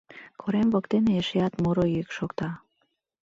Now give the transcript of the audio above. Корем воктене эшеат муро йӱк шокта.